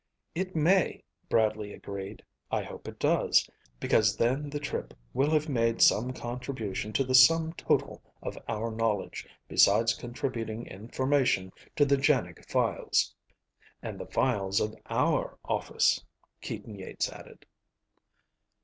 "It may," Bradley agreed. "I hope it does, because then the trip will have made some contribution to the sum total of our knowledge besides contributing information to the JANIG files." "And the files of our office," Keaton Yeats added.